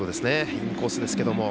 インコースですけれども。